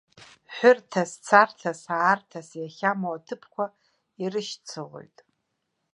Ҳәырҭас, царҭас, аарҭас иахьамоу аҭыԥқәа ирышьцылоит.